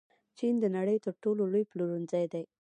چین د نړۍ تر ټولو لوی پلورنځی دی.